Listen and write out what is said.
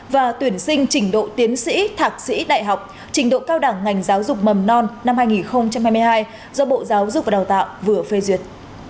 và tuyển sinh trình độ tiến sĩ thạc sĩ đại học trình độ cao đẳng ngành giáo dục mầm non năm hai nghìn hai mươi hai do bộ giáo dục và đào tạo vừa phê duyệt